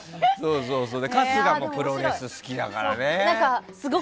春日もプロレスが好きだからね。